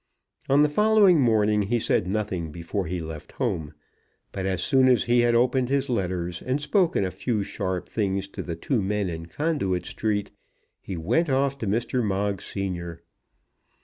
On the following morning he said nothing before he left home, but as soon as he had opened his letters and spoken a few sharp things to the two men in Conduit Street, he went off to Mr. Moggs senior.